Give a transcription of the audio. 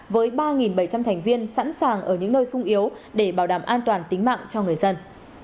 với ba bảy trăm linh thành viên sẵn sàng ở những nơi sung yếu để bảo đảm an toàn tính mạng cho người dân